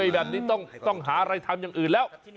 แบบนี้ต้องหาอะไรทำอย่างอื่นแล้ว